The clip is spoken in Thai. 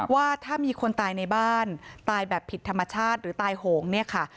ว่าถ้ามีคนตายในบ้านตายแบบผิดธรรมชาติหรือตายโหงเนี่ยค่ะ